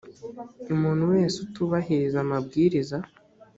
umuntu wese utubuhariza amabwiriza